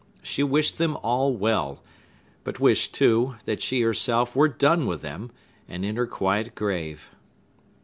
She wished them all well, but wished, too, that she herself were done with them, and in her quiet grave.